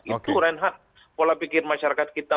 itu reinhardt pola pikir masyarakat kita